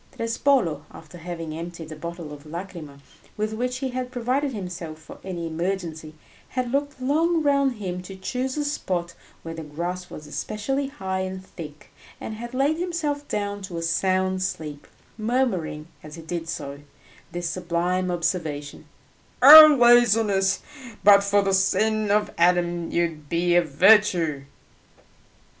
Trespolo, after having emptied a bottle of lacryma with which he had provided himself for any emergency, had looked long around him to choose a spot where the grass was especially high and thick, and had laid himself down to a sound sleep, murmuring as he did so, this sublime observation, "O laziness, but for the sin of Adam you would be a virtue!"